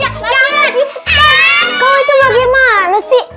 kau itu bagaimana sih